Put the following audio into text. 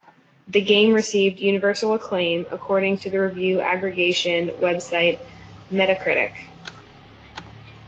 The game received "universal acclaim" according to the review aggregation website Metacritic.